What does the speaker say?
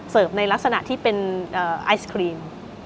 ในลักษณะที่เป็นไอศครีม